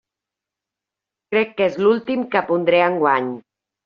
Crec que és l'últim que pondré enguany.